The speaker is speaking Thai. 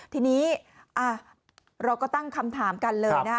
ทีนี้เราก็ตั้งคำถามกันเลยนะคะ